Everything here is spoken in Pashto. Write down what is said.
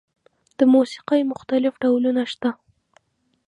د موسیقۍ مختلف ډولونه شته.